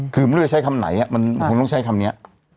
คือไม่รู้จะใช้คำไหนมันคงต้องใช้คำนี้